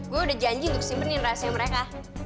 gue udah janji untuk simpenin rahasia mereka